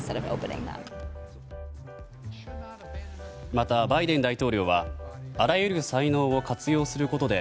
またバイデン大統領はあらゆる才能を活用することで